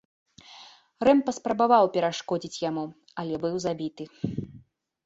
Рэм паспрабаваў перашкодзіць яму, але быў забіты.